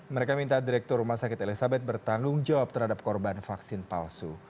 mereka minta direktur rumah sakit elizabeth bertanggung jawab terhadap korban vaksin palsu